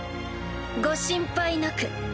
ご心配なく。